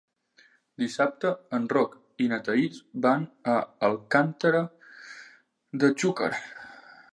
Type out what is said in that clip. Dissabte en Roc i na Thaís van a Alcàntera de Xúquer.